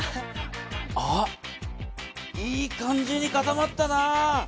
あっいい感じに固まったな。